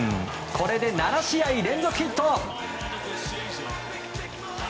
これで７試合連続ヒット。